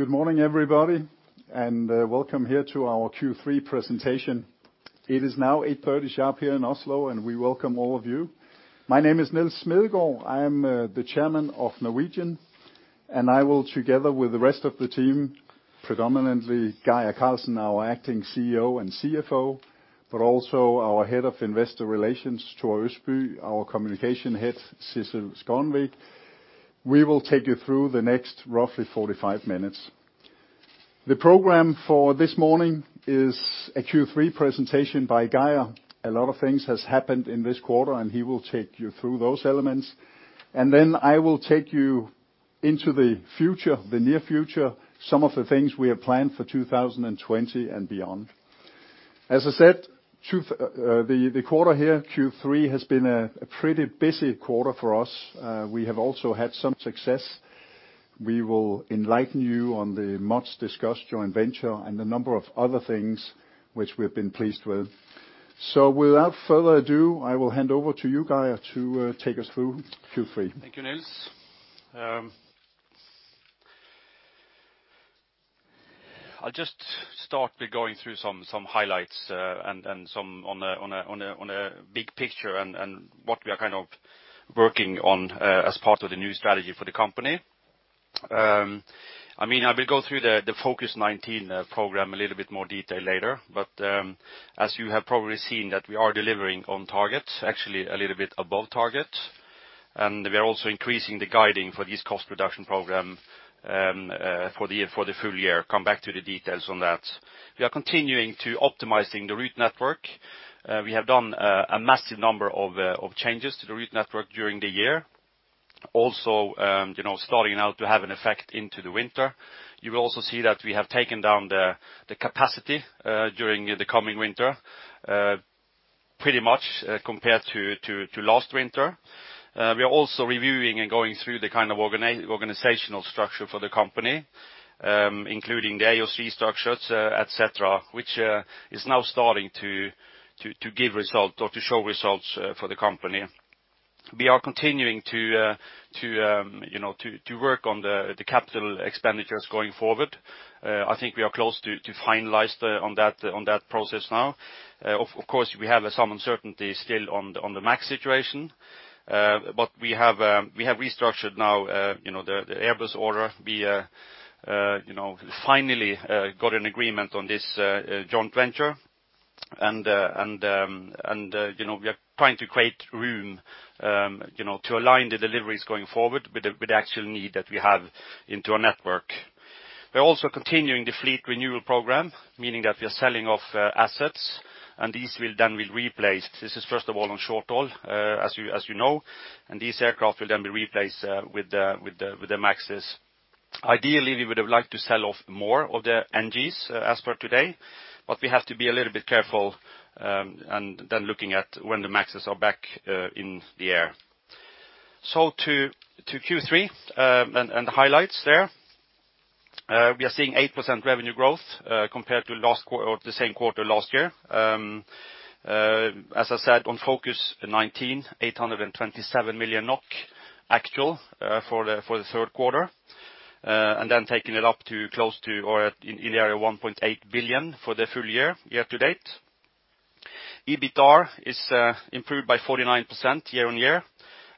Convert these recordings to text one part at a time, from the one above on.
Good morning, everybody. Welcome here to our Q3 presentation. It is now 8:30 A.M. sharp here in Oslo. We welcome all of you. My name is Niels Smedegaard. I am the Chairman of Norwegian. I will, together with the rest of the team, predominantly Geir Karlsen, our Acting CEO and CFO, but also our Head of Investor Relations, Tore Østby, our Communication Head, Sissel Skonhovd. We will take you through the next roughly 45 minutes. The program for this morning is a Q3 presentation by Geir. A lot of things has happened in this quarter. He will take you through those elements. I will take you into the near future, some of the things we have planned for 2020 and beyond. As I said, the quarter here, Q3, has been a pretty busy quarter for us. We have also had some success. We will enlighten you on the much-discussed joint venture and a number of other things which we've been pleased with. Without further ado, I will hand over to you, Geir, to take us through Q3. Thank you, Niels. I'll just start by going through some highlights on a big picture, what we are working on as part of the new strategy for the company. I will go through the Focus '19 program a little bit more detail later. As you have probably seen that we are delivering on target, actually a little bit above target. We are also increasing the guiding for this cost reduction program for the full year. Come back to the details on that. We are continuing to optimizing the route network. We have done a massive number of changes to the route network during the year. Also starting now to have an effect into the winter. You will also see that we have taken down the capacity during the coming winter, pretty much compared to last winter. We are also reviewing and going through the organizational structure for the company, including the AOC structures, et cetera, which is now starting to give result or to show results for the company. We are continuing to work on the capital expenditures going forward. I think we are close to finalize on that process now. Of course, we have some uncertainty still on the MAX situation. We have restructured now the Airbus order. We finally got an agreement on this joint venture. We are trying to create room to align the deliveries going forward with the actual need that we have into our network. We are also continuing the fleet renewal program, meaning that we are selling off assets. These will then be replaced. This is first of all on short haul, as you know. These aircraft will then be replaced with the MAXs. Ideally, we would have liked to sell off more of the NGs as for today. We have to be a little bit careful, then looking at when the MAXs are back in the air. To Q3, and the highlights there. We are seeing 8% revenue growth compared to the same quarter last year. As I said, on Focus '19, 827 million NOK actual for the third quarter. Taking it up to close to or in the area 1.8 billion for the full year-to-date. EBITDAR is improved by 49% year-on-year,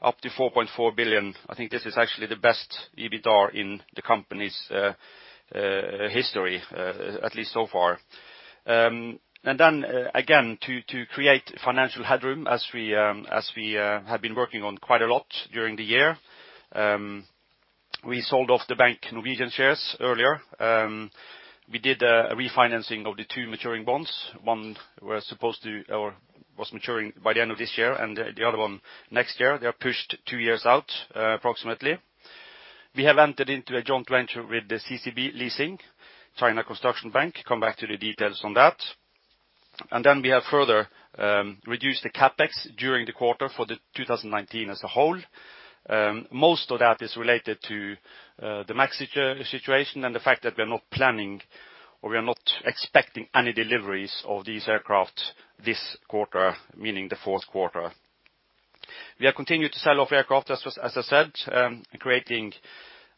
up to 4.4 billion. I think this is actually the best EBITDAR in the company's history, at least so far. Again, to create financial headroom as we have been working on quite a lot during the year. We sold off the Bank Norwegian shares earlier. We did a refinancing of the two maturing bonds. One was maturing by the end of this year and the other one next year. They are pushed two years out, approximately. We have entered into a joint venture with the CCB Leasing, China Construction Bank. Come back to the details on that. We have further reduced the CapEx during the quarter for the 2019 as a whole. Most of that is related to the MAX situation and the fact that we are not planning or we are not expecting any deliveries of these aircraft this quarter, meaning the fourth quarter. We are continuing to sell off aircraft, as I said, creating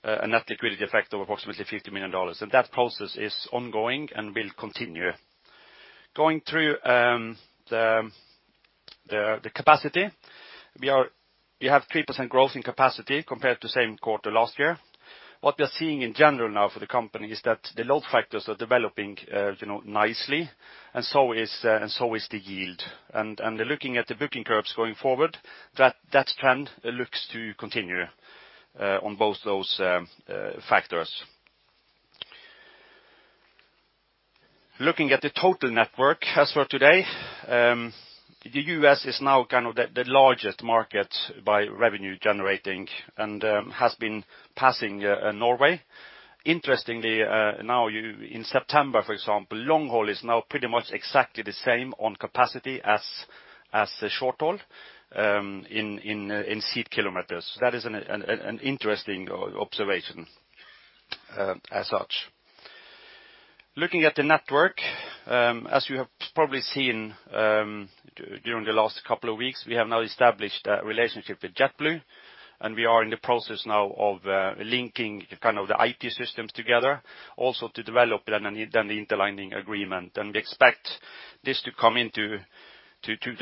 a net liquidity effect of approximately $50 million. That process is ongoing and will continue. Going through the capacity. We have 3% growth in capacity compared to same quarter last year. What we are seeing in general now for the company is that the load factors are developing nicely and so is the yield. Looking at the booking curves going forward, that trend looks to continue on both those factors. Looking at the total network as for today. The U.S. is now the largest market by revenue generating and has been passing Norway. Interestingly now in September, for example, long haul is now pretty much exactly the same on capacity as short haul in seat kilometers. That is an interesting observation as such. Looking at the network, as you have probably seen during the last couple of weeks, we have now established a relationship with JetBlue, and we are in the process now of linking the IT systems together, also to develop an interlining agreement. We expect this to come into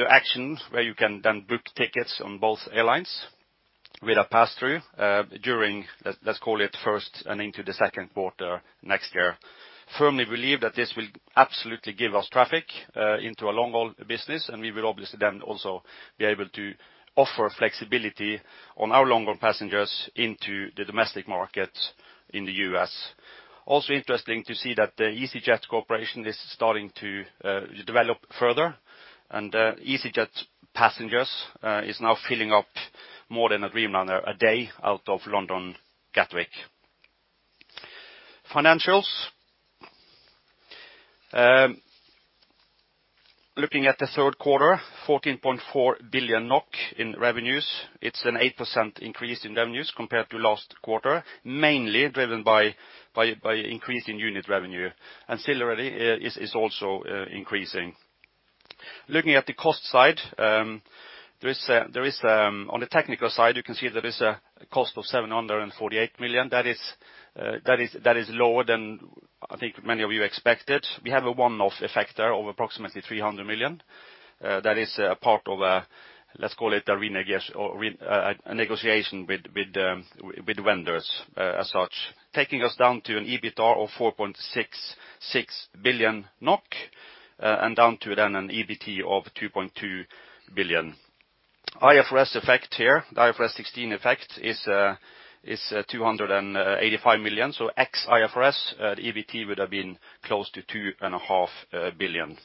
action, where you can then book tickets on both airlines with a pass-through during, let's call it, first and into the second quarter next year. Firmly believe that this will absolutely give us traffic into a long-haul business, and we will obviously then also be able to offer flexibility on our longer passengers into the domestic market in the U.S. Also interesting to see that the easyJet cooperation is starting to develop further, and easyJet passengers is now filling up more than a Dreamliner a day out of London Gatwick. Financials. Looking at the third quarter, 14.4 billion NOK in revenues. It's an 8% increase in revenues compared to last quarter, mainly driven by increase in unit revenue. Still is also increasing. Looking at the cost side, on the technical side, you can see there is a cost of 748 million. That is lower than I think many of you expected. We have a one-off effect there of approximately 300 million. That is a part of a, let's call it, a negotiation with vendors as such, taking us down to an EBITA of 4.66 billion NOK, down to an EBT of 2.2 billion. IFRS effect here, the IFRS 16 effect, is 285 million. Ex-IFRS, EBT would have been close to 2.5 billion.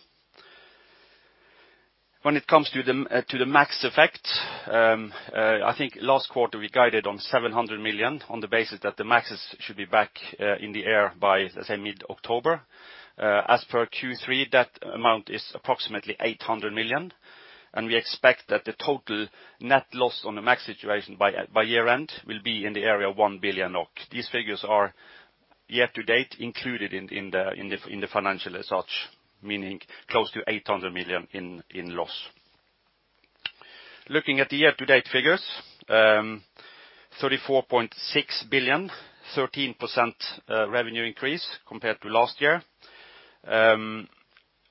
When it comes to the MAX effect, I think last quarter we guided on 700 million on the basis that the MAXs should be back in the air by, let's say, mid-October. As per Q3, that amount is approximately 800 million, and we expect that the total net loss on the MAX situation by year-end will be in the area of 1 billion NOK. These figures are year-to-date included in the financial as such, meaning close to 800 million in loss. Looking at the year-to-date figures, 34.6 billion, 13% revenue increase compared to last year.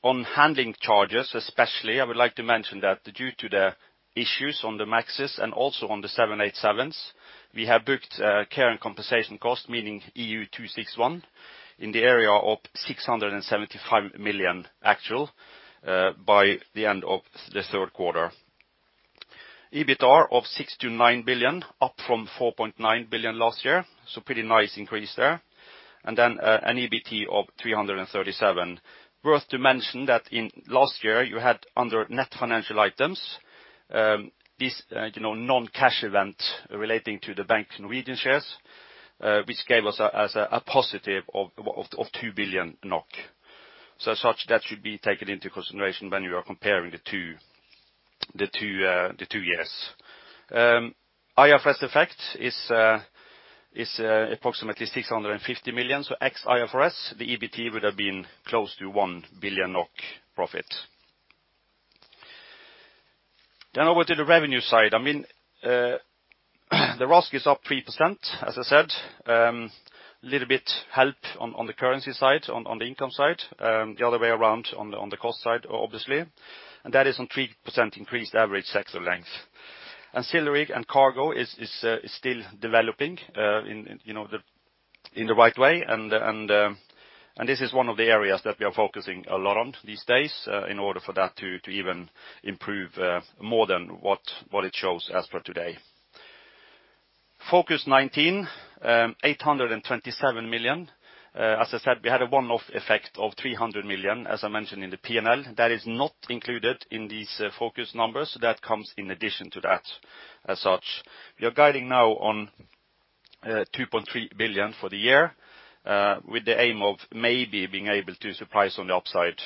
On handling charges especially, I would like to mention that due to the issues on the MAXs and also on the 787s, we have booked care and compensation cost, meaning EU 261, in the area of 675 million actual by the end of the third quarter. EBITA of 6.1 Billion, up from 4.9 billion last year, so pretty nice increase there. An EBT of 337. Worth to mention that in last year you had under net financial items, this non-cash event relating to the Bank Norwegian shares, which gave us a positive of 2 billion NOK. As such, that should be taken into consideration when you are comparing the two years. IFRS effect is approximately 650 million, ex-IFRS, the EBT would have been close to 1 billion NOK profit. Over to the revenue side. The RASK is up 3%, as I said. Little bit help on the currency side, on the income side. The other way around on the cost side, obviously. That is on 3% increased average sector length. Ancillary and cargo is still developing in the right way, this is one of the areas that we are focusing a lot on these days in order for that to even improve more than what it shows as per today. #Focus2019, 827 million. As I said, we had a one-off effect of 300 million, as I mentioned in the P&L. That is not included in these #Focus2019 numbers. That comes in addition to that as such. We are guiding now on 2.3 billion for the year with the aim of maybe being able to surprise on the upside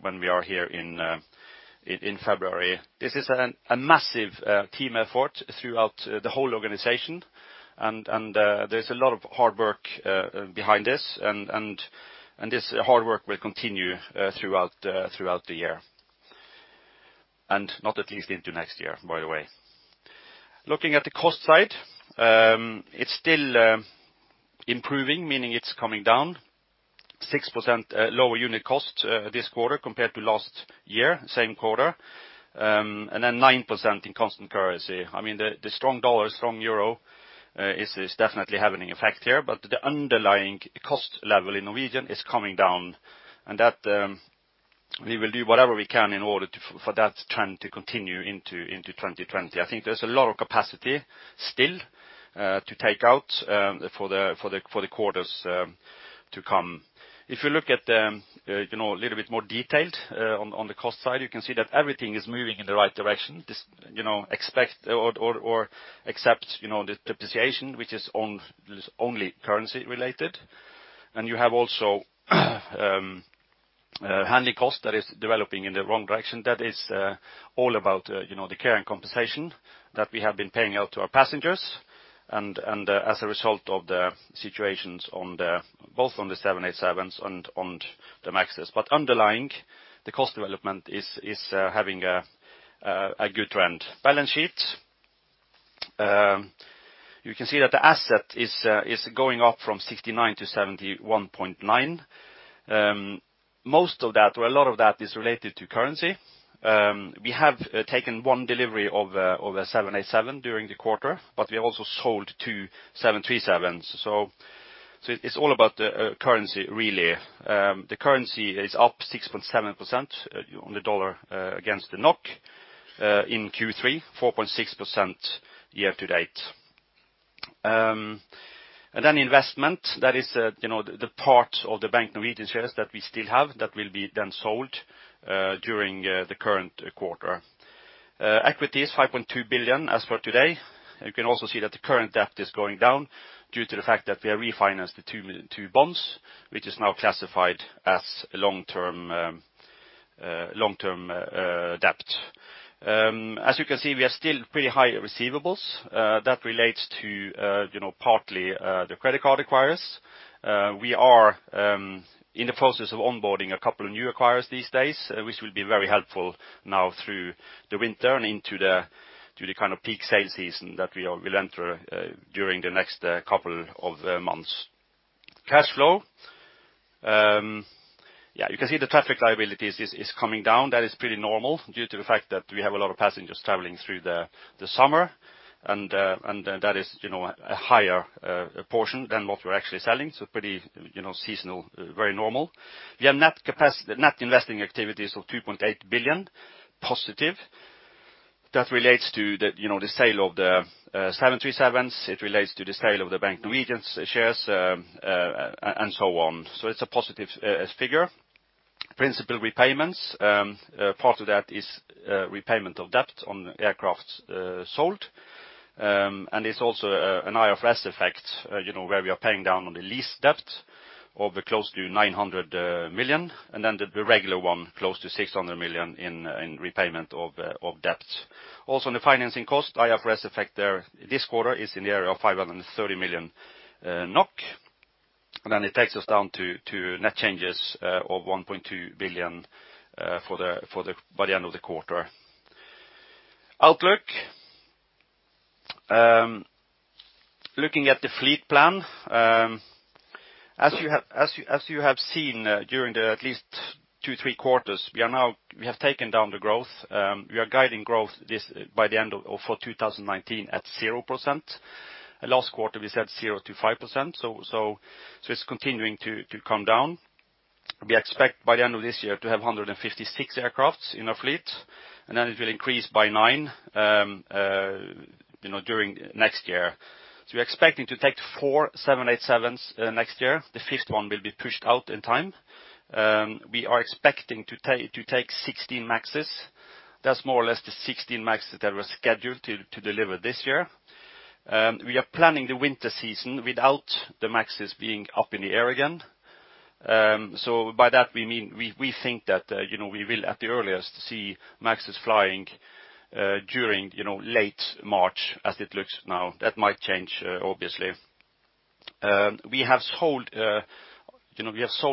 when we are here in February. This is a massive team effort throughout the whole organization, there's a lot of hard work behind this hard work will continue throughout the year, not at least into next year, by the way. Looking at the cost side, it's still improving, meaning it's coming down. 6% lower unit cost this quarter compared to last year, same quarter, 9% in constant currency. The strong dollar, strong euro is definitely having an effect here, the underlying cost level in Norwegian is coming down, that we will do whatever we can in order for that trend to continue into 2020. I think there's a lot of capacity still to take out for the quarters to come. If you look at a little bit more detailed on the cost side, you can see that everything is moving in the right direction. Except the depreciation, which is only currency related. You have also handling cost that is developing in the wrong direction. That is all about the care and compensation that we have been paying out to our passengers as a result of the situations both on the 787s and on the MAXs. Underlying, the cost development is having a good trend. Balance sheet. You can see that the asset is going up from 69 to 71.9. Most of that, or a lot of that, is related to currency. We have taken one delivery of a 787 during the quarter, but we also sold two 737s. It's all about the currency, really. The currency is up 6.7% on the dollar against the NOK in Q3, 4.6% year-to-date. Investment. That is the part of the Bank Norwegian shares that we still have, that will be then sold during the current quarter. Equity is 5.2 billion as for today. You can also see that the current debt is going down due to the fact that we have refinanced the two bonds, which is now classified as long-term debt. You can see, we are still pretty high at receivables. That relates to partly the credit card acquirers. We are in the process of onboarding a couple of new acquirers these days, which will be very helpful now through the winter and into the peak sale season that we will enter during the next couple of months. Cash flow. You can see the traffic liabilities is coming down. That is pretty normal due to the fact that we have a lot of passengers traveling through the summer. That is a higher portion than what we're actually selling. Pretty seasonal, very normal. We have net investing activities of 2.8 billion positive. That relates to the sale of the 737s. It relates to the sale of the Bank Norwegian shares and so on. It's a positive figure. Principal repayments. Part of that is repayment of debt on aircrafts sold. It's also an IFRS effect where we are paying down on the lease debt of close to 900 million, and then the regular one, close to 600 million in repayment of debt. On the financing cost, IFRS effect there this quarter is in the area of 530 million NOK. It takes us down to net changes of 1.2 billion by the end of the quarter. Outlook. Looking at the fleet plan. You have seen during at least two, three quarters, we have taken down the growth. We are guiding growth by the end of 2019 at 0%. Last quarter, we said 0%-5%, it's continuing to come down. We expect by the end of this year to have 156 aircrafts in our fleet, and then it will increase by nine during next year. We're expecting to take four 787s next year. The fifth one will be pushed out in time. We are expecting to take 16 MAXs. That's more or less the 16 MAXs that were scheduled to deliver this year. We are planning the winter season without the MAXs being up in the air again. By that we mean, we think that we will, at the earliest, see MAXs flying during late March as it looks now. That might change, obviously. We have sold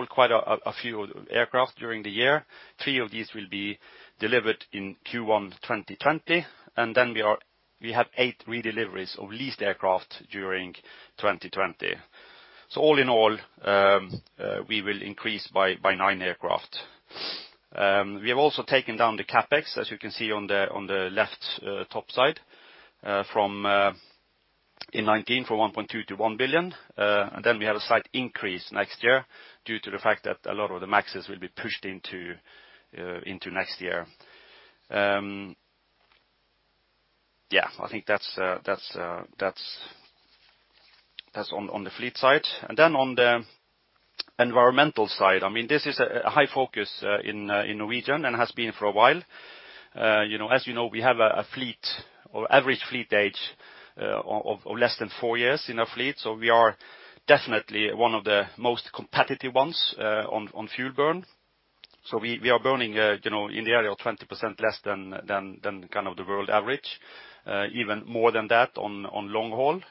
quite a few aircraft during the year. Three of these will be delivered in Q1 2020, and then we have eight redeliveries of leased aircraft during 2020. All in all, we will increase by nine aircraft. We have also taken down the CapEx, as you can see on the left top side, in 2019 from 1.2 billion-1 billion. We have a slight increase next year due to the fact that a lot of the MAXs will be pushed into next year. I think that's on the fleet side. On the environmental side. This is a high focus in Norwegian and has been for a while. As you know, we have an average fleet age of less than four years in our fleet. We are definitely one of the most competitive ones on fuel burn. We are burning in the area of 20% less than the world average. Even more than that on long haul.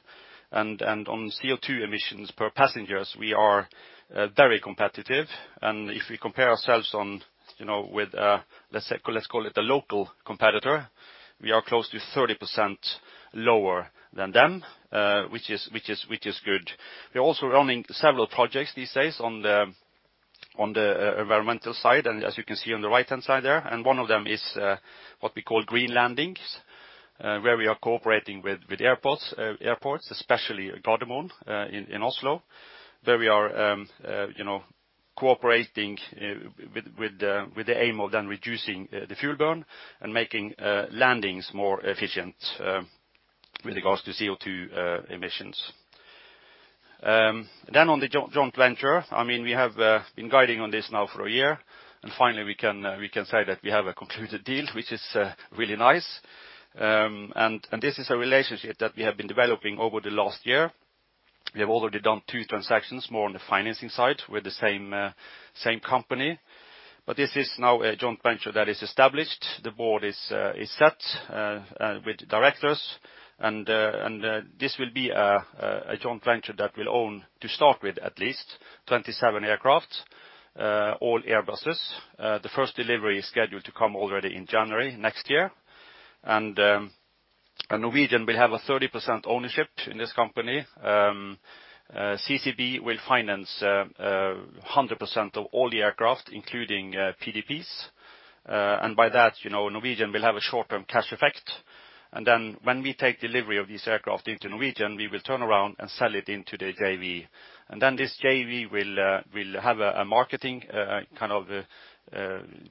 On CO2 emissions per passengers, we are very competitive. If we compare ourselves with, let's call it a local competitor, we are close to 30% lower than them, which is good. We are also running several projects these days on the environmental side. As you can see on the right-hand side there. One of them is what we call green landings, where we are cooperating with airports, especially Gardermoen in Oslo, where we are cooperating with the aim of then reducing the fuel burn and making landings more efficient with regards to CO2 emissions. On the joint venture. We have been guiding on this now for a year, and finally we can say that we have a concluded deal, which is really nice. This is a relationship that we have been developing over the last year. We have already done two transactions more on the financing side with the same company. This is now a joint venture that is established. The board is set with directors, and this will be a joint venture that will own, to start with at least, 27 aircraft, all Airbuses. The first delivery is scheduled to come already in January next year. Norwegian will have a 30% ownership in this company. CCB will finance 100% of all the aircraft, including PDPs. By that, Norwegian will have a short-term cash effect. When we take delivery of these aircraft into Norwegian, we will turn around and sell it into the JV. This JV will have a marketing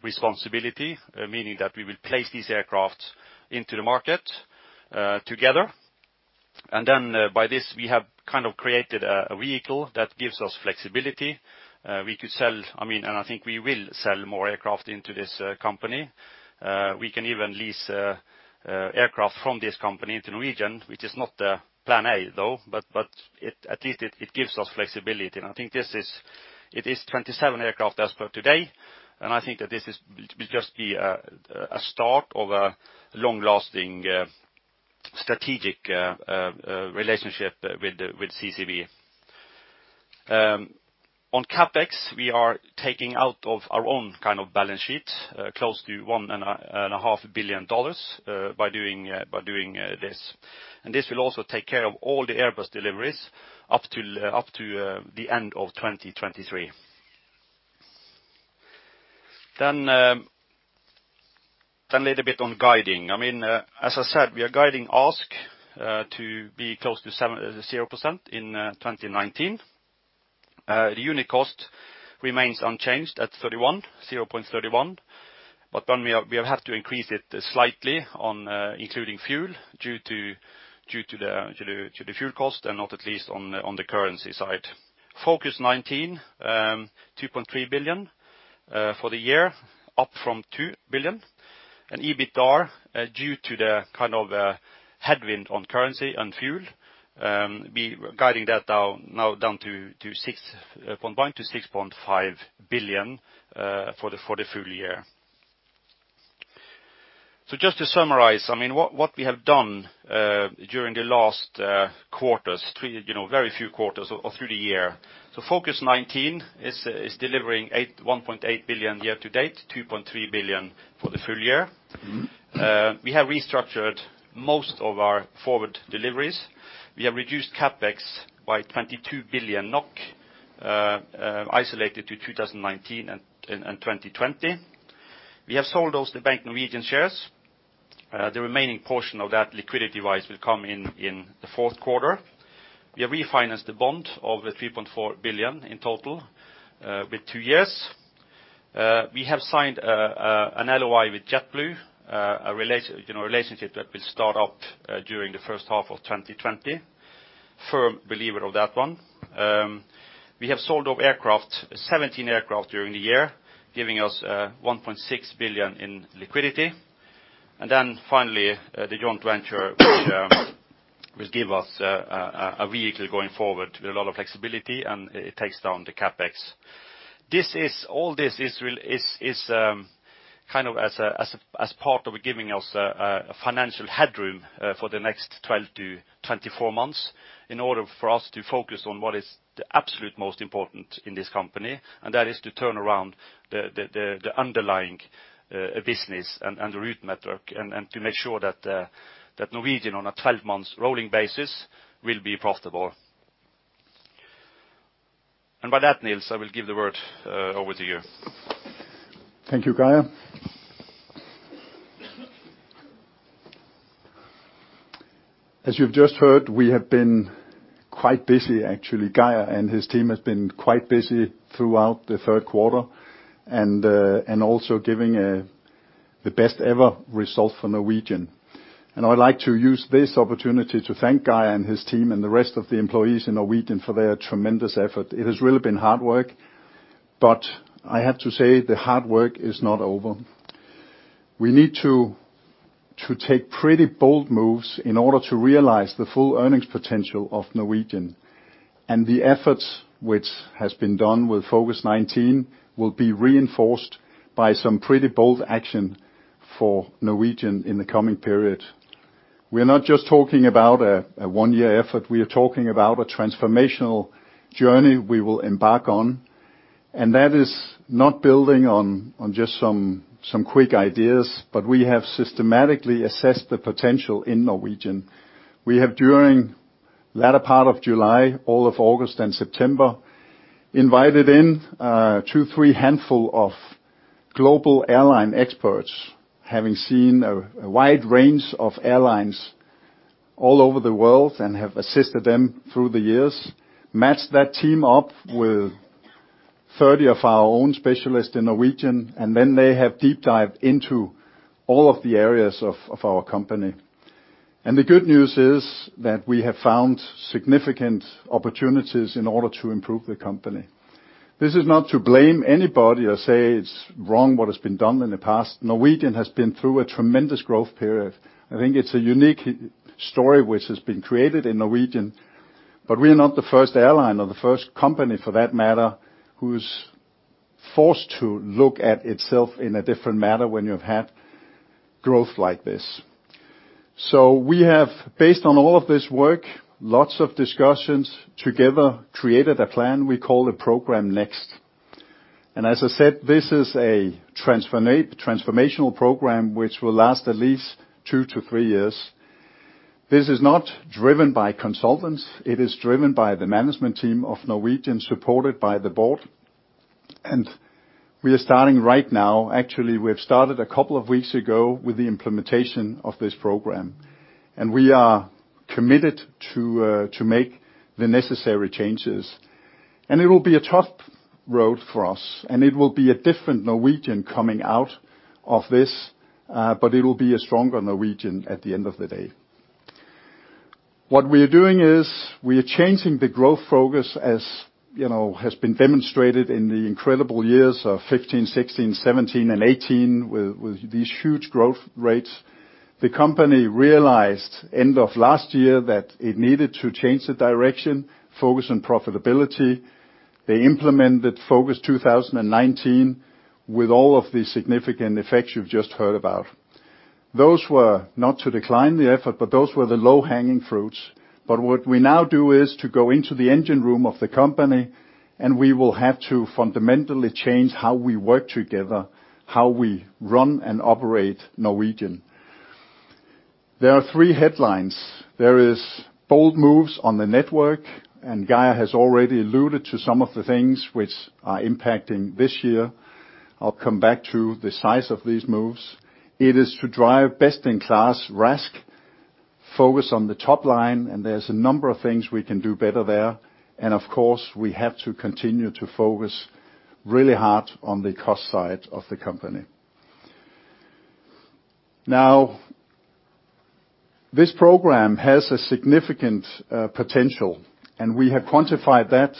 responsibility, meaning that we will place these aircraft into the market together. By this, we have created a vehicle that gives us flexibility. We could sell, and I think we will sell more aircraft into this company. We can even lease aircraft from this company into Norwegian, which is not the plan A, though, but at least it gives us flexibility. I think it is 27 aircraft as per today. I think that this will just be a start of a long-lasting strategic relationship with CCB. On CapEx, we are taking out of our own balance sheet, close to $1.5 billion by doing this. This will also take care of all the Airbus deliveries up to the end of 2023. A little bit on guiding. As I said, we are guiding ASK to be close to 0% in 2019. The unit cost remains unchanged at 31, 0.31. We have to increase it slightly on including fuel due to the fuel cost and not at least on the currency side. #Focus2019, 2.3 billion for the year, up from 2 billion. EBITDAR, due to the headwind on currency and fuel, we are guiding that now down to 6.5 billion for the full year. Just to summarize, what we have done during the last quarters, very few quarters or through the year. #Focus2019 is delivering 1.8 billion year to date, 2.3 billion for the full year. We have restructured most of our forward deliveries. We have reduced CapEx by 22 billion NOK, isolated to 2019 and 2020. We have sold off the Bank Norwegian shares. The remaining portion of that liquidity-wise will come in the fourth quarter. We have refinanced the bond of 3.4 billion in total with two years. We have signed an LOI with JetBlue, a relationship that will start up during the first half of 2020. Firm believer of that one. We have sold off 17 aircraft during the year, giving us 1.6 billion in liquidity. Finally, the joint venture will give us a vehicle going forward with a lot of flexibility, and it takes down the CapEx. All this is as part of giving us a financial headroom for the next 12-24 months in order for us to focus on what is the absolute most important in this company, and that is to turn around the underlying business and the route network and to make sure that Norwegian on a 12 months rolling basis will be profitable. By that, Niels, I will give the word over to you. Thank you, Geir. As you have just heard, we have been quite busy, actually. Geir and his team has been quite busy throughout the third quarter, also giving the best ever result for Norwegian. I would like to use this opportunity to thank Geir and his team and the rest of the employees in Norwegian for their tremendous effort. It has really been hard work, I have to say the hard work is not over. We need to take pretty bold moves in order to realize the full earnings potential of Norwegian. The efforts which has been done with #Focus2019 will be reinforced by some pretty bold action for Norwegian in the coming period. We're not just talking about a one-year effort, we are talking about a transformational journey we will embark on, that is not building on just some quick ideas, we have systematically assessed the potential in Norwegian. We have during latter part of July, all of August and September, invited in two, three handfuls of global airline experts, having seen a wide range of airlines all over the world and have assisted them through the years, matched that team up with 30 of our own specialists in Norwegian, they have deep dived into all of the areas of our company. The good news is that we have found significant opportunities in order to improve the company. This is not to blame anybody or say it's wrong what has been done in the past. Norwegian has been through a tremendous growth period. I think it's a unique story which has been created in Norwegian, but we are not the first airline or the first company for that matter, who's forced to look at itself in a different matter when you've had growth like this. We have, based on all of this work, lots of discussions, together created a plan we call the Program NEXT. As I said, this is a transformational program, which will last at least two to three years. This is not driven by consultants. It is driven by the management team of Norwegian, supported by the board. We are starting right now, actually, we have started a couple of weeks ago with the implementation of this program, and we are committed to make the necessary changes. It'll be a tough road for us, and it will be a different Norwegian coming out of this, but it will be a stronger Norwegian at the end of the day. What we are doing is we are changing the growth focus as has been demonstrated in the incredible years of 2015, 2016, 2017, and 2018 with these huge growth rates. The company realized end of last year that it needed to change the direction, focus on profitability. They implemented Focus 2019 with all of the significant effects you've just heard about. Those were not to decline the effort, but those were the low-hanging fruits. What we now do is to go into the engine room of the company, and we will have to fundamentally change how we work together, how we run and operate Norwegian. There are three headlines. There is bold moves on the network, and Geir has already alluded to some of the things which are impacting this year. I'll come back to the size of these moves. It is to drive best-in-class RASK, focus on the top line, and there's a number of things we can do better there. Of course, we have to continue to focus really hard on the cost side of the company. This program has a significant potential, and we have quantified that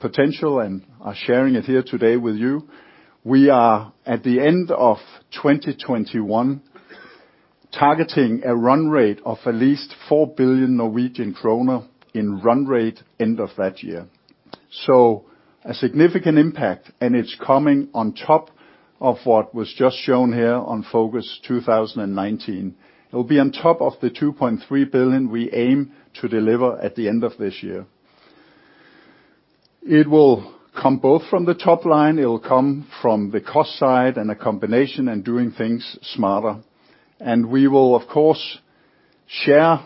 potential and are sharing it here today with you. We are at the end of 2021, targeting a run rate of at least 4 billion Norwegian kroner in run rate end of that year. A significant impact, and it's coming on top of what was just shown here on Focus 2019. It'll be on top of the 2.3 billion we aim to deliver at the end of this year. It will come both from the top line, it'll come from the cost side and a combination and doing things smarter. We will, of course, share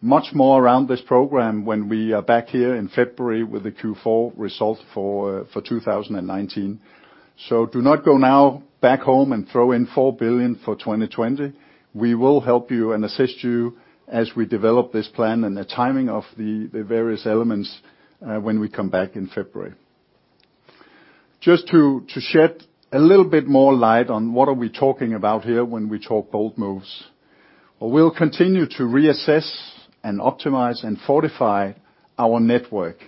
much more around this program when we are back here in February with the Q4 result for 2019. Do not go now back home and throw in 4 billion for 2020. We will help you and assist you as we develop this plan and the timing of the various elements when we come back in February. Just to shed a little bit more light on what are we talking about here when we talk bold moves. We'll continue to reassess and optimize and fortify our network.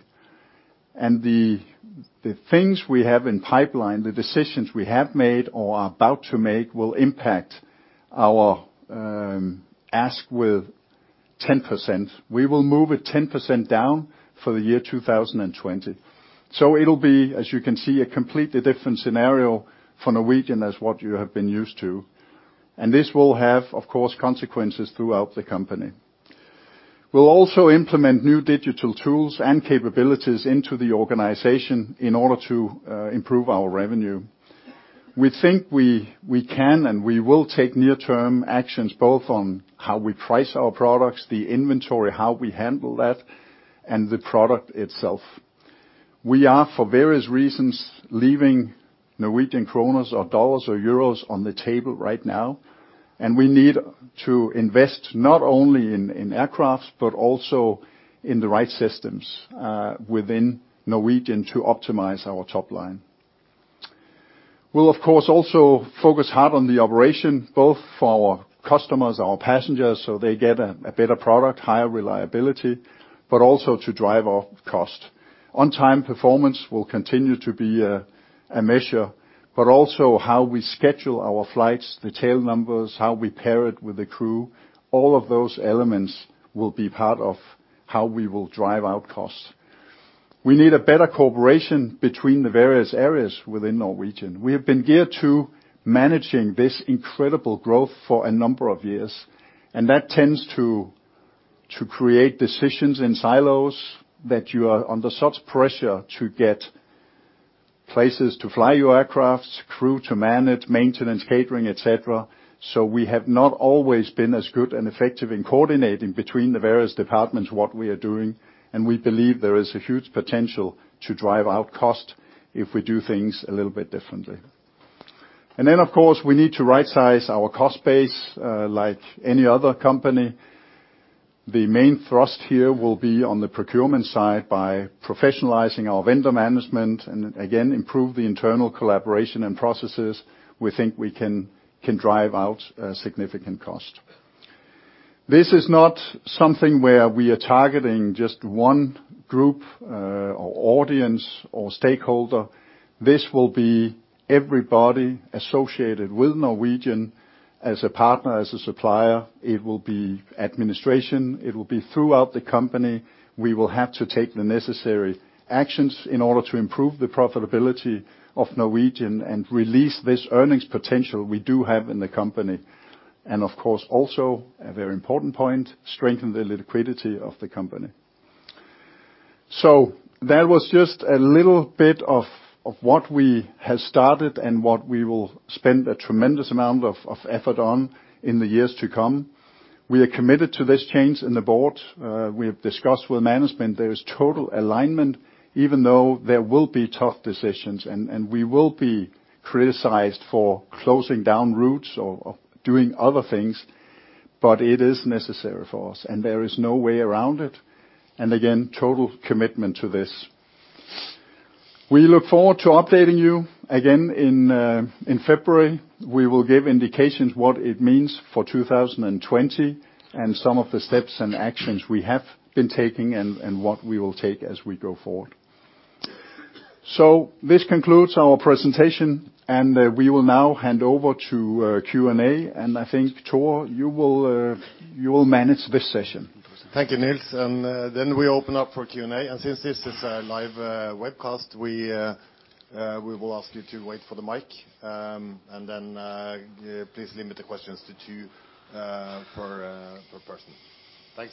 The things we have in pipeline, the decisions we have made or are about to make will impact our RASK with 10%. We will move it 10% down for the year 2020. It'll be, as you can see, a completely different scenario for Norwegian as what you have been used to. This will have, of course, consequences throughout the company. We'll also implement new digital tools and capabilities into the organization in order to improve our revenue. We think we can, and we will take near-term actions both on how we price our products, the inventory, how we handle that, and the product itself. We are, for various reasons, leaving Norwegian kroner or dollars or euros on the table right now, and we need to invest not only in aircraft but also in the right systems within Norwegian to optimize our top line. We'll, of course, also focus hard on the operation, both for our customers, our passengers, so they get a better product, higher reliability, but also to drive off cost. On-time performance will continue to be a measure, but also how we schedule our flights, the tail numbers, how we pair it with the crew, all of those elements will be part of how we will drive out costs. We need a better cooperation between the various areas within Norwegian. We have been geared to managing this incredible growth for a number of years, and that tends to create decisions in silos that you are under such pressure to get places to fly your aircraft, crew to manage, maintenance, catering, et cetera. We have not always been as good and effective in coordinating between the various departments what we are doing, and we believe there is a huge potential to drive out cost if we do things a little bit differently. Then, of course, we need to rightsize our cost base like any other company. The main thrust here will be on the procurement side by professionalizing our vendor management and again, improve the internal collaboration and processes. We think we can drive out significant cost. This is not something where we are targeting just one group or audience or stakeholder. This will be everybody associated with Norwegian as a partner, as a supplier. It will be administration. It will be throughout the company. We will have to take the necessary actions in order to improve the profitability of Norwegian and release this earnings potential we do have in the company. Of course, also, a very important point, strengthen the liquidity of the company. That was just a little bit of what we have started and what we will spend a tremendous amount of effort on in the years to come. We are committed to this change in the board. We have discussed with management. There is total alignment, even though there will be tough decisions, and we will be criticized for closing down routes or doing other things, but it is necessary for us, and there is no way around it. Again, total commitment to this. We look forward to updating you again in February. We will give indications what it means for 2020 and some of the steps and actions we have been taking and what we will take as we go forward. This concludes our presentation, and we will now hand over to Q&A, and I think, Tore, you will manage this session. Thank you, Niels. We open up for Q&A. Since this is a live webcast, we will ask you to wait for the mic, please limit the questions to two per person. Thanks.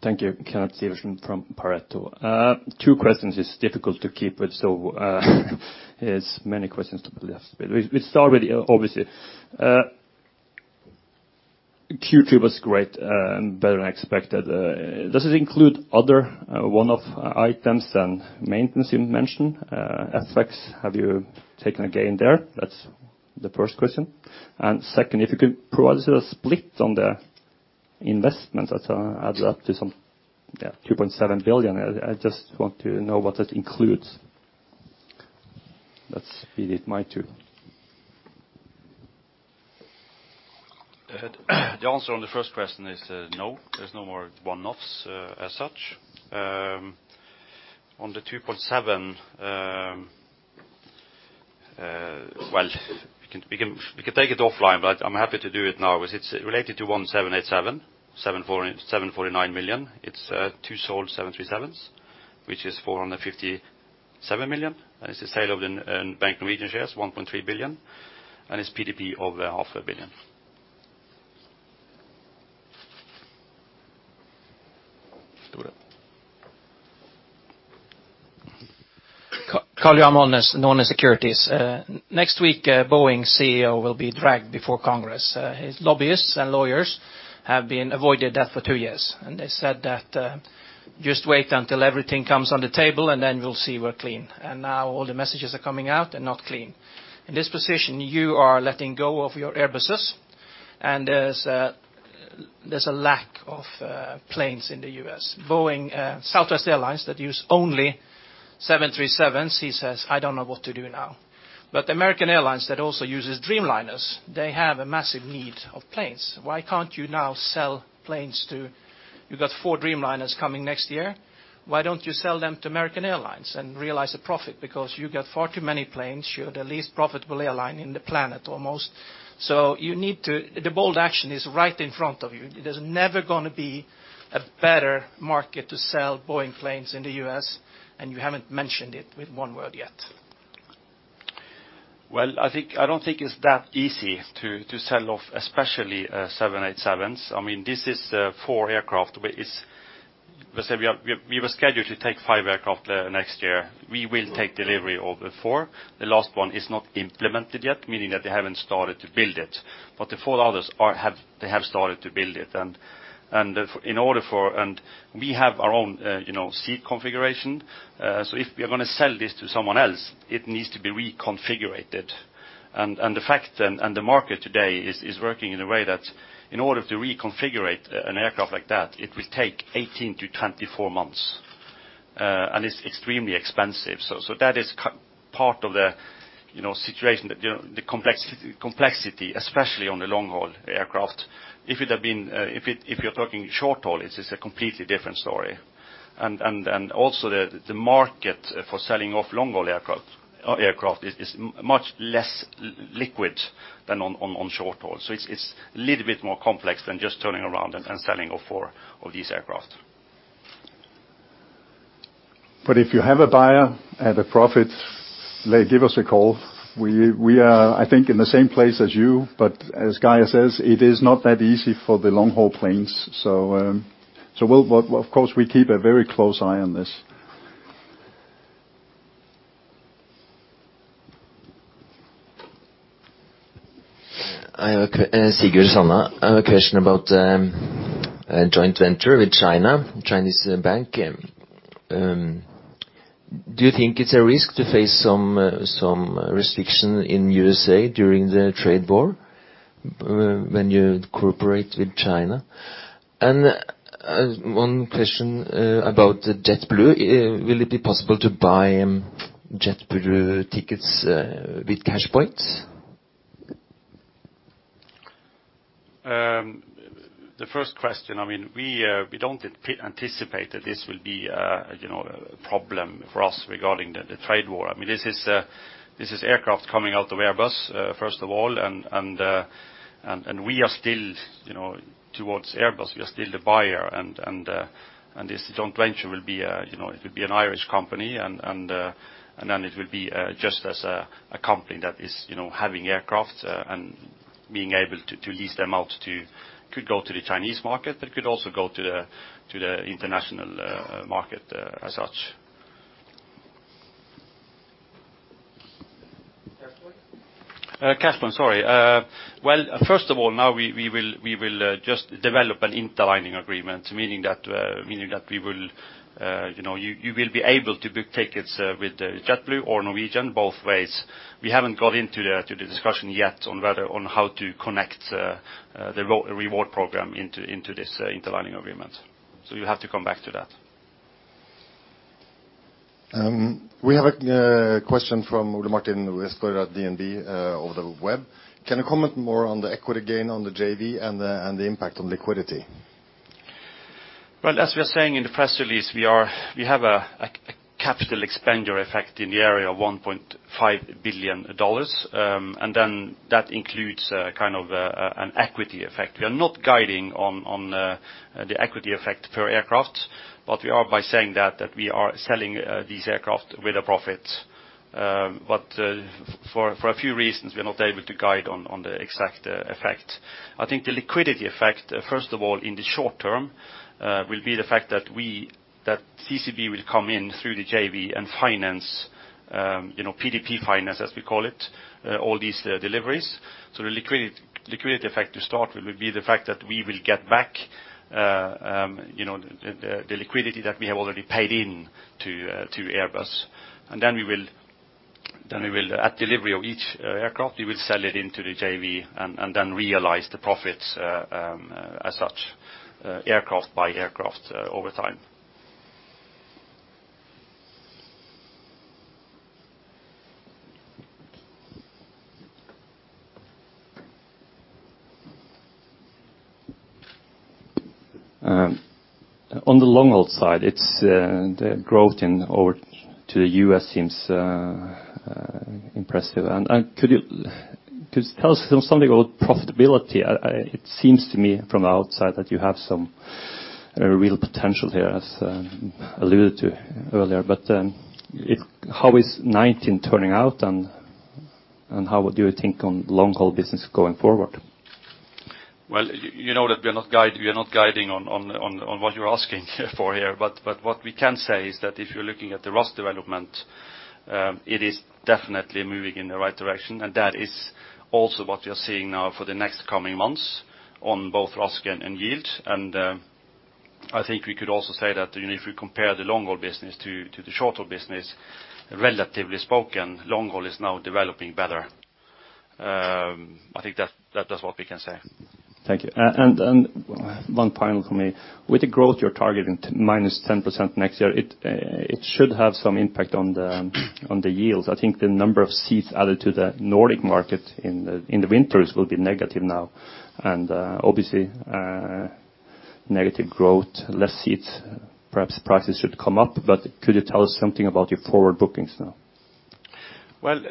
Kenneth? Thank you. Kenneth Sivertsen from Pareto. Two questions is difficult to keep it, there's many questions to put it up. We'll start with, obviously, Q2 was great and better than expected. Does it include other one-off items and maintenance you mentioned? FX, have you taken a gain there? That's the first question. Second, if you could provide us a split on the investment that adds up to some 2.7 billion. I just want to know what that includes. Let's leave it, my two. Go ahead. The answer on the first question is no, there's no more one-offs as such. On the NOK 2.7, well, we can take it offline, but I'm happy to do it now. It's related to one 787, 749 million. It's two sold 737s, which is 457 million. It's the sale of the Bank Norwegian shares, 1.3 billion, and it's PDP of NOK half a billion. Sture. Carl Zunne, Norne Securities. Next week, Boeing's CEO will be dragged before Congress. His lobbyists and lawyers have been avoiding that for two years. They said that, "Just wait until everything comes on the table, and then we'll see we're clean." Now all the messages are coming out. They're not clean. In this position, you are letting go of your Airbuses. There's a lack of planes in the U.S. Southwest Airlines that use only 737s, he says, "I don't know what to do now." American Airlines that also uses Dreamliners, they have a massive need of planes. Why can't you now sell planes to? You got four Dreamliners coming next year. Why don't you sell them to American Airlines and realize a profit? You got far too many planes. You're the least profitable airline in the planet, almost. The bold action is right in front of you. There's never going to be a better market to sell Boeing planes in the U.S. You haven't mentioned it with one word yet. Well, I don't think it's that easy to sell off, especially 787s. This is four aircraft. We were scheduled to take five aircraft next year. We will take delivery of the four. The last one is not implemented yet, meaning that they haven't started to build it. The four others, they have started to build it. We have our own seat configuration. If we are going to sell this to someone else, it needs to be reconfigurated. The market today is working in a way that in order to reconfigurate an aircraft like that, it will take 18 to 24 months. It's extremely expensive. That is part of the situation that the complexity, especially on the long-haul aircraft. If you're talking short haul, it's a completely different story. Also the market for selling off long-haul aircraft is much less liquid than on short haul. It's a little bit more complex than just turning around and selling off four of these aircraft. If you have a buyer at a profit, give us a call. We are, I think, in the same place as you, but as Geir says, it is not that easy for the long-haul planes. Of course, we keep a very close eye on this. Sigurd Aune. I have a question about joint venture with China, Chinese bank. Do you think it's a risk to face some restriction in USA during the trade war when you cooperate with China? One question about JetBlue. Will it be possible to buy JetBlue tickets with cash points? The first question, we don't anticipate that this will be a problem for us regarding the trade war. This is aircraft coming out of Airbus, first of all, and we are still towards Airbus. We are still the buyer, and this joint venture, it will be an Irish company, and then it will be just as a company that is having aircraft and being able to lease them out, could go to the Chinese market, but could also go to the international market as such. Casper? Casper. Sorry. First of all, now we will just develop an interlining agreement, meaning that you will be able to book tickets with JetBlue or Norwegian both ways. We haven't got into the discussion yet on how to connect the reward program into this interlining agreement. We'll have to come back to that. We have a question from Ole Martin Westgaard at DNB over the web. Can you comment more on the equity gain on the JV and the impact on liquidity? Well, as we are saying in the press release, we have a capital expenditure effect in the area of $1.5 billion, that includes an equity effect. We are not guiding on the equity effect per aircraft, we are by saying that we are selling these aircraft with a profit. For a few reasons, we are not able to guide on the exact effect. I think the liquidity effect, first of all, in the short term, will be the fact that CCB will come in through the JV and finance, PDP finance, as we call it, all these deliveries. The liquidity effect to start with will be the fact that we will get back the liquidity that we have already paid into Airbus. At delivery of each aircraft, we will sell it into the JV and then realize the profits as such, aircraft by aircraft over time. On the long-haul side, the growth to the U.S. seems impressive. Could you tell us something about profitability? It seems to me from the outside that you have some real potential here, as alluded to earlier. How is 2019 turning out, and how would you think on long-haul business going forward? Well, you know that we are not guiding on what you're asking for here. What we can say is that if you are looking at the RASK development, it is definitely moving in the right direction. That is also what we are seeing now for the next coming months on both RASK and yield. I think we could also say that if we compare the long-haul business to the short-haul business, relatively spoken, long haul is now developing better. I think that's what we can say. Thank you. One final from me. With the growth you are targeting, minus 10% next year, it should have some impact on the yields. I think the number of seats added to the Nordic market in the winters will be negative now. Obviously, negative growth, less seats, perhaps prices should come up, but could you tell us something about your forward bookings now? Well,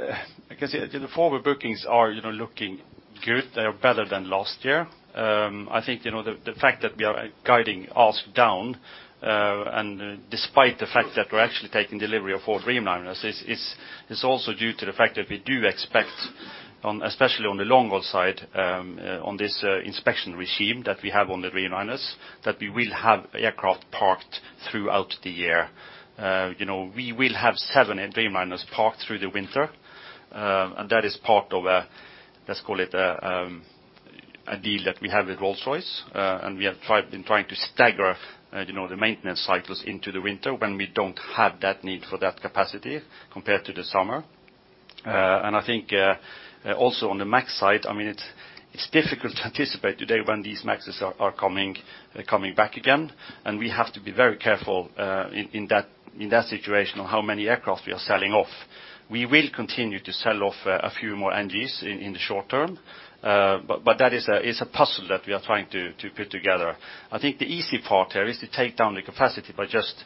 I can say the forward bookings are looking good. They are better than last year. I think the fact that we are guiding RASK down, and despite the fact that we are actually taking delivery of four Dreamliners, is also due to the fact that we do expect, especially on the long-haul side, on this inspection regime that we have on the Dreamliners, that we will have aircraft parked throughout the year. We will have seven Dreamliners parked through the winter. That is part of a, let's call it a deal that we have with Rolls-Royce. We have been trying to stagger the maintenance cycles into the winter when we don't have that need for that capacity compared to the summer. I think also on the MAX side, it's difficult to anticipate today when these MAXs are coming back again, and we have to be very careful in that situation on how many aircraft we are selling off. We will continue to sell off a few more NGs in the short term. That is a puzzle that we are trying to put together. I think the easy part here is to take down the capacity by just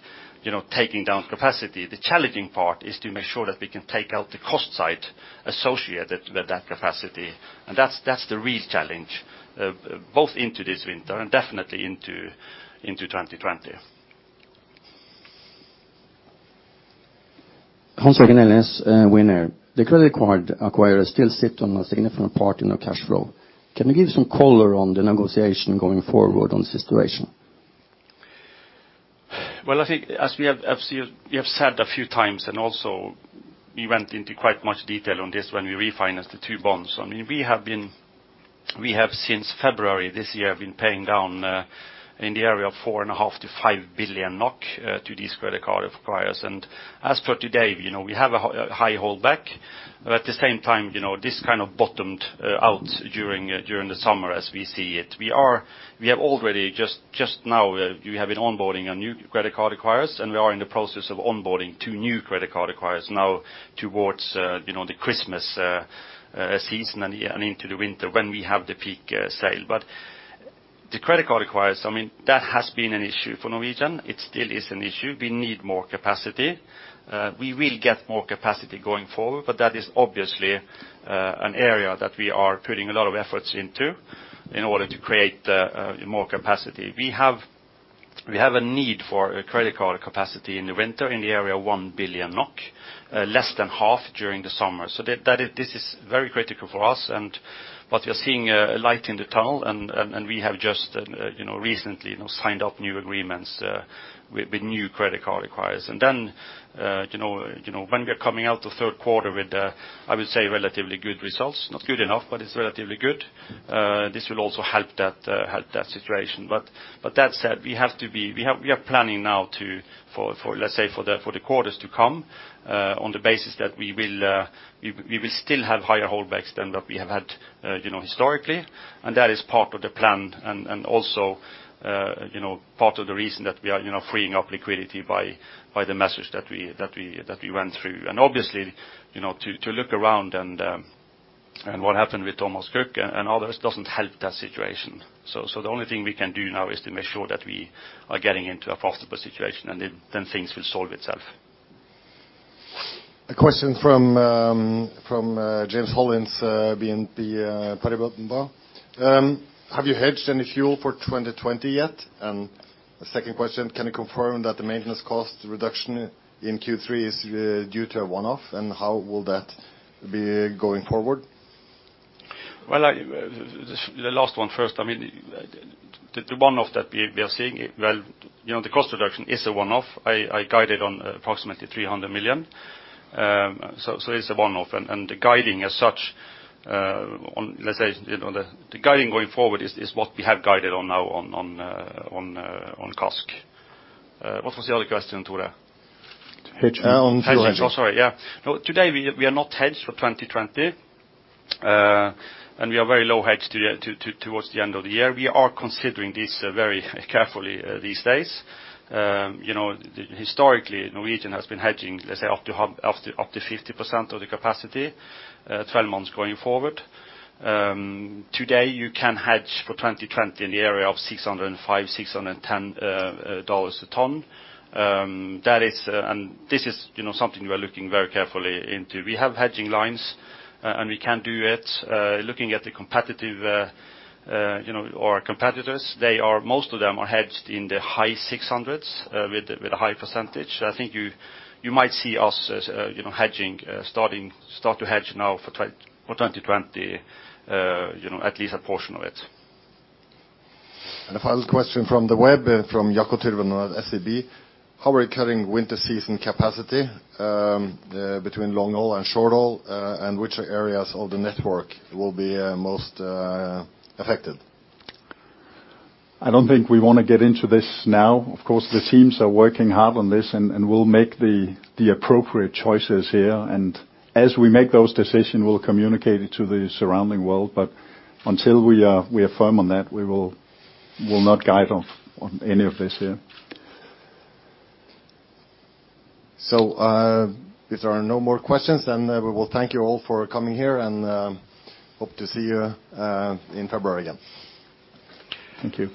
taking down capacity. The challenging part is to make sure that we can take out the cost side associated with that capacity. That's the real challenge, both into this winter and definitely into 2020. Hans-Jørgen Elnæs, Widerøe. The credit acquirers still sit on a significant part in our cash flow. Can you give some color on the negotiation going forward on this situation? Well, I think as we have said a few times, also we went into quite much detail on this when we refinanced the two bonds. We have since February this year, been paying down in the area of 4.5 to 5 billion NOK to these credit card acquirers. As for today, we have a high holdback. At the same time, this kind of bottomed out during the summer as we see it. We have already just now, we have been onboarding new credit card acquirers, we are in the process of onboarding two new credit card acquirers now towards the Christmas season and into the winter, when we have the peak sale. The credit card acquirers, that has been an issue for Norwegian. It still is an issue. We need more capacity. We will get more capacity going forward. That is obviously an area that we are putting a lot of efforts into in order to create more capacity. We have a need for credit card capacity in the winter in the area of one billion NOK, less than half during the summer. This is very critical for us. We are seeing a light in the tunnel and we have just recently signed up new agreements with new credit card acquirers. When we are coming out of third quarter with, I would say, relatively good results, not good enough, but it's relatively good. This will also help that situation. That said, we are planning now, let's say for the quarters to come, on the basis that we will still have higher holdbacks than what we have had historically, and that is part of the plan and also part of the reason that we are freeing up liquidity by the message that we went through. Obviously, to look around and what happened with Thomas Cook and others doesn't help that situation. The only thing we can do now is to make sure that we are getting into a forecastable situation and then things will solve itself. A question from James Hollins, BNP Paribas. Have you hedged any fuel for 2020 yet? The second question, can you confirm that the maintenance cost reduction in Q3 is due to a one-off, and how will that be going forward? Well, the last one first. The one-off that we are seeing, well, the cost reduction is a one-off. I guided on approximately 300 million. It's a one-off. The guiding as such, let's say the guiding going forward is what we have guided on now on CASK. What was the other question, Tore? Hedge on- Oh, sorry. Yeah. No, today we are not hedged for 2020. We are very low hedged towards the end of the year. We are considering this very carefully these days. Historically, Norwegian has been hedging, let's say up to 50% of the capacity 12 months going forward. Today you can hedge for 2020 in the area of $605, $610 a ton. This is something we are looking very carefully into. We have hedging lines and we can do it. Looking at our competitors, most of them are hedged in the high 600s with a high percentage. I think you might see us start to hedge now for 2020, at least a portion of it. The final question from the web, from Jaakko Tyrväinen of SEB. How are we cutting winter season capacity between long haul and short haul, and which areas of the network will be most affected? I don't think we want to get into this now. Of course, the teams are working hard on this, and we'll make the appropriate choices here. As we make those decisions, we'll communicate it to the surrounding world. Until we are firm on that, we will not guide on any of this here. If there are no more questions, we will thank you all for coming here, and hope to see you in February again. Thank you.